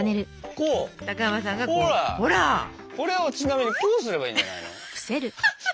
これをちなみにこうすればいいんじゃないの？